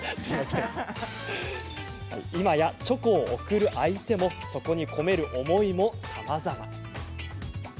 今や、チョコを贈る相手もそこに込める思いもさまざま。